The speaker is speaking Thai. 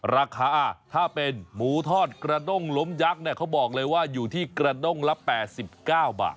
ราคาถ้าเป็นหมูทอดกระด้งล้มยักษ์เนี่ยเขาบอกเลยว่าอยู่ที่กระด้งละ๘๙บาท